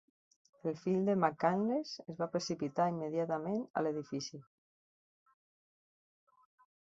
El fill de McCanles es va precipitar immediatament a l'edifici.